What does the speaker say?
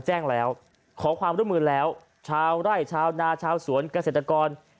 แจ้งแล้วขอความร่วมมือแล้วชาวไร่ชาวนาชาวสวนเกษตรกร